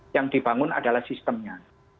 yang dibangun adalah sistemnya